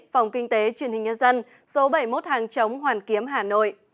phòng kinh tế truyền hình nhân dân số bảy mươi một hàng chống hoàn kiếm hà nội